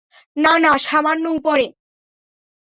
না না সামান্য উপরে।